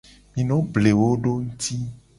Mi no ble wo do nguti.